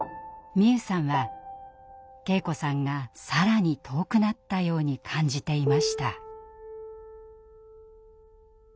美夢さんは圭子さんが更に遠くなったように感じていました。